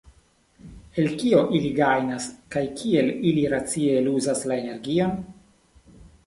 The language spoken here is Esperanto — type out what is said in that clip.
El kio ili gajnas kaj kiel ili racie eluzas la energion?